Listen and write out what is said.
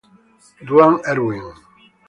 Duane Erwin